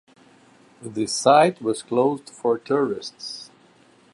The site was closed for tourists.